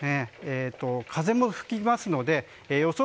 風も吹きますので予想